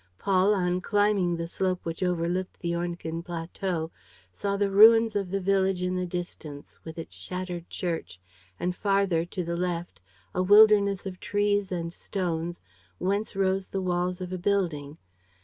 Paul, on climbing the slope which overlooked the Ornequin plateau, saw the ruins of the village in the distance, with its shattered church, and, farther to the left, a wilderness of trees and stones whence rose the walls of a building.